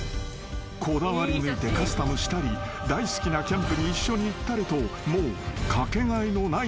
［こだわり抜いてカスタムしたり大好きなキャンプに一緒に行ったりともう］